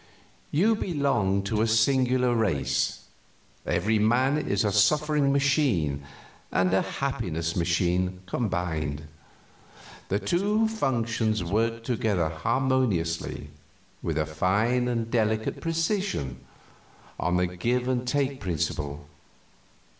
You belong to a singular race. Every man is a suffering machine and a happiness machine combined. The two functions work together harmoniously, with a fine and delicate precision, on the give and take principle.